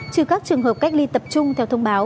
trừ các trường hợp cách ly tập trung theo thông báo